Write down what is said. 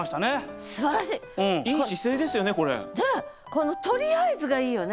この「とりあえず」がいいよね。